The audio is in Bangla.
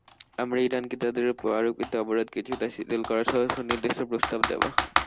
আমরা ইরানকে তাদের ওপর আরোপিত অবরোধ কিছুটা শিথিল করাসহ সুনির্দিষ্ট প্রস্তাব দেব।